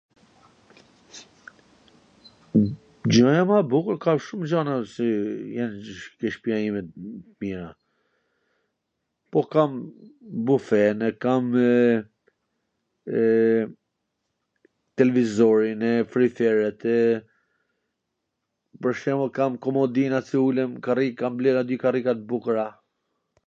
gjaja ma e bukur, ... ka shum gjana si jan te shpia ime t mira, po kam bufen,e, kam telvizorin, e, frigoriferet, e, pwr shemull kam komodinat... qw ulem, karriket, kam ble nja dy karrika t bukra...